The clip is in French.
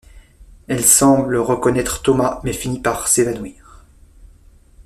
Elle s'emble reconnaître Thomas mais finit par s'évanouir.